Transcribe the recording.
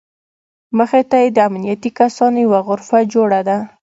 مخې ته یې د امنیتي کسانو یوه غرفه جوړه ده.